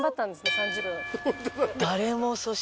３０分。